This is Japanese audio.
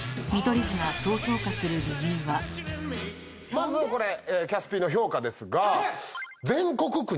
まずはこれキャスＰの評価ですが。